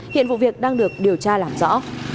hiện vụ việc đang được điều tra làm rõ